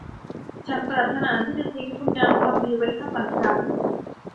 ฉันปรารถนาที่จะทิ้งคุณงามความดีไว้ข้างหลังฉัน